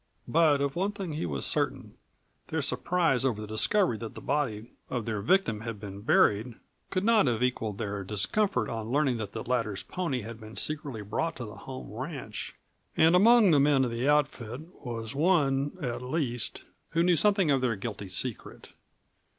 But of one thing he was certain their surprise over the discovery that the body of their victim had been buried could not have equalled their discomfiture on learning that the latter's pony had been secretly brought to the home ranch, and that among the men of the outfit was one, at least, who knew something of their guilty secret.